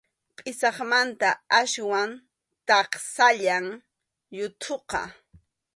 Pʼisaqmanta aswan taksallam yuthuqa.